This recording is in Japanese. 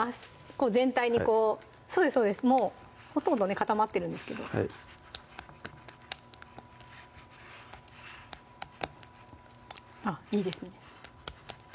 こう全体にこうそうですそうですほとんどね固まってるんですけどはいあっいいですね